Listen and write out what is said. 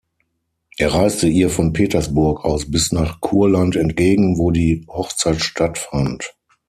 Er reiste ihr von Petersburg aus bis nach Kurland entgegen, wo die Hochzeit stattfand.